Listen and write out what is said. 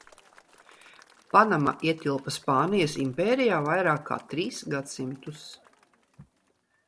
Panama ietilpa Spānijas impērijā vairāk kā trīs gadsimtus.